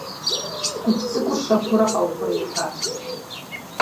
Гуп цӀыкӀур щэхуурэ къаухъуреихьащ.